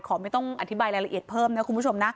ไม่ต้องอธิบายรายละเอียดเพิ่มนะคุณผู้ชมนะ